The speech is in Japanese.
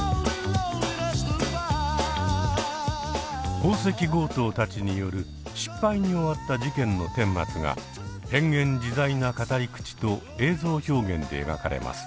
宝石強盗たちによる失敗に終わった事件のてんまつが変幻自在な語り口と映像表現で描かれます。